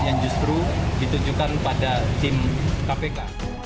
yang justru ditujukan pada tim kpk